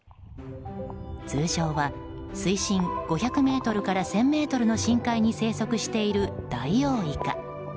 通常は水深５００ｍから１０００ｍの深海に生息しているダイオウイカ。